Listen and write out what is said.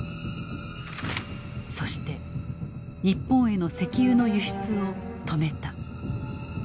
そして日本への石油の輸出を止めた。